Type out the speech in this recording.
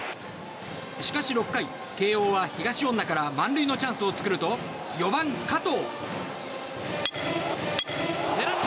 しかし６回、慶應は東恩納から満塁のチャンスを作ると４番、加藤。